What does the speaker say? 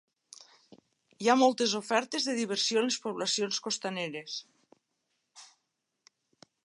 Hi ha moltes ofertes de diversió en les poblacions costaneres.